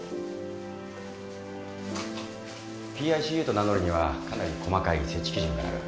ＰＩＣＵと名乗るにはかなり細かい設置基準がある。